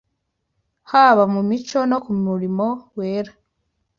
haba mu mico no ku murimo wera,